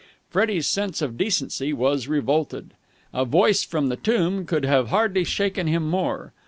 Freddie's sense of decency was revolted. A voice from the tomb could hardly have shaken him more.